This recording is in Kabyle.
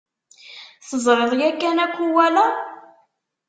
Teẓriḍ yakan akuwala?